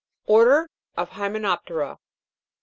ORDER OF HYMENOP'TERA. 1.